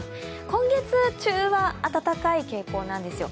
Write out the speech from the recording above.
今月中は暖かい傾向なんですよ。